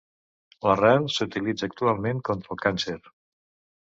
L'arrel s'utilitza actualment contra el càncer.